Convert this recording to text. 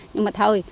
nhưng mà thôi